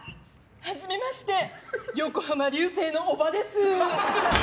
はじめまして横浜流星の叔母です。